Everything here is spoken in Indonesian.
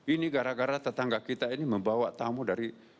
ini gara gara tetangga kita ini membawa tamu dari